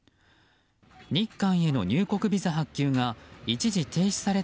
日韓への入国ビザ発給が一時停止された